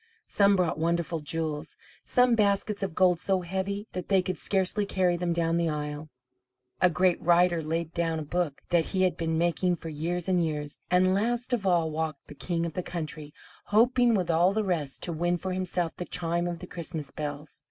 Some brought wonderful jewels, some baskets of gold so heavy that they could scarcely carry them down the aisle. A great writer laid down a book that he had been making for years and years. And last of all walked the king of the country, hoping with all the rest to win for himself the chime of the Christmas bells.